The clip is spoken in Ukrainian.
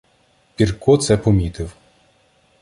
Пірко це помітив.